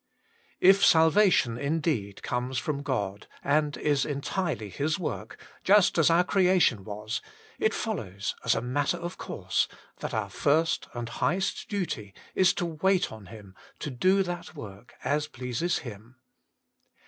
IF Balyation indeed comes from God, and is entirely His work, just as our creation was, it follows, as a matter of course, that our first and highest duty is to wait on Him to do that work as pleases Him.